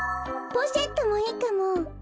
ポシェットもいいかも！